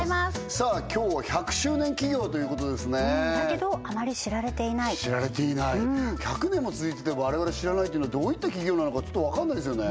さあ今日は１００周年企業ということですねだけどあまり知られていない知られていない１００年も続いてて我々知らないってどういった企業なのかちょっとわかんないですよね